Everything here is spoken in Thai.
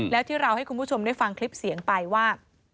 แล้วที่เราให้คุณผู้ชมได้ฟังคลิปเสียงไปว่า